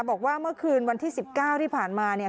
บอกว่าเมื่อคืนวันที่๑๙ที่ผ่านมาเนี่ย